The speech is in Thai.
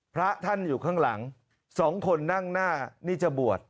พระท่านอยู่ข้างหลังสองคนนั่งหน้านี่จะบวช